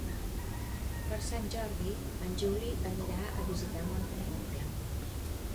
Per Sant Jordi en Juli anirà a visitar mon oncle.